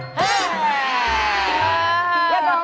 รันน้องไรงงยาลัง